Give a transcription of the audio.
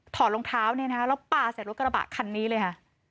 ถอดรองเท้าแล้วป่าใส่รถกระบะคันนี้เลย